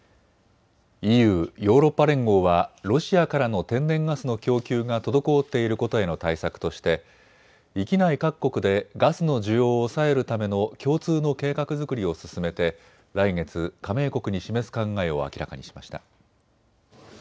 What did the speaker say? ＥＵ・ヨーロッパ連合はロシアからの天然ガスの供給が滞っていることへの対策として域内各国でガスの需要を抑えるための共通の計画作りを進めて来月、加盟国に示す考えを明らかにしました。